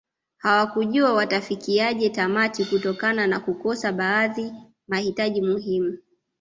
Hawakujua watafikiaje tamati kutokana na kukosa baadhi mahitaji muhimu